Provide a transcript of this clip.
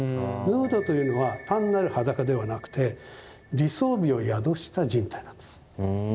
ヌードというのは単なる裸ではなくて理想美を宿した人体なんです。